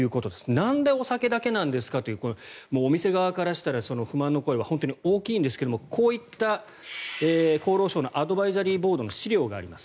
なんでお酒だけなんですかとお店側からしたら不満の声は本当に大きいんですがこういった厚労省のアドバイザリーボードの資料があります。